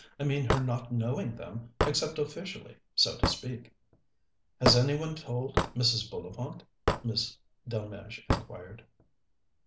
I mean her not knowing them, except officially, so to speak." "Has any one told Mrs. Bullivant?" Miss Delmege inquired.